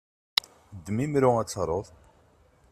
Ddem imru ad taruḍ!